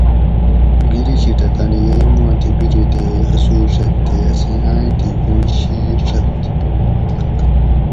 بِرے شِیٹہ تانی یئی ما تھی بِرو تے ہسوڛیت تے اسیں آۤئیں تھی پُھونڑ شی ڛت